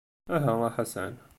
Aha a Ḥasan.